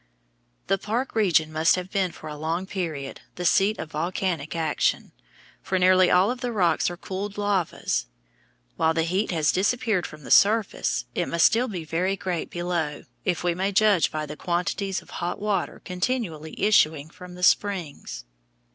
The park region must have been for a long period the seat of volcanic action, for nearly all the rocks are cooled lavas. While the heat has disappeared from the surface, it must still be very great below, if we may judge by the quantities of hot water continually issuing from the springs.